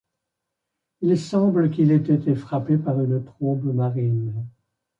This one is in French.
Il semble qu'il ait été frappé par une trombe marine.